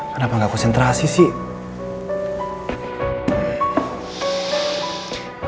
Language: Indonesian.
kenapa gak kesentrasi sih